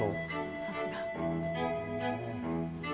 さすが。